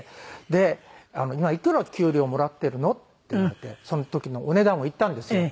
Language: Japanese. で「今いくら給料もらってるの？」って言われてその時のお値段を言ったんですよ。